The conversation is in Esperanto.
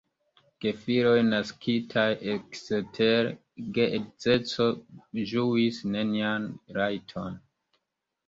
Gefiloj naskitaj ekster geedzeco ĝuis nenian rajton.